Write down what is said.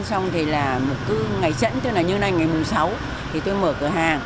xong thì là một ngày dẫn tức là như nay ngày mùng sáu thì tôi mở cửa hàng